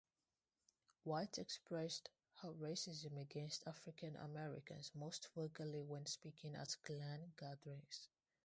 White expressed her racism against African Americans most vocally when speaking at Klan gatherings.